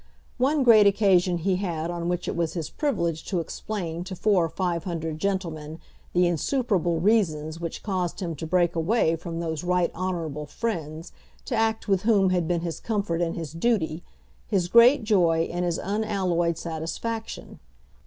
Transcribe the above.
One great occasion he had on which it was his privilege to explain to four or five hundred gentlemen the insuperable reasons which caused him to break away from those right honourable friends to act with whom had been his comfort and his duty, his great joy and his unalloyed satisfaction.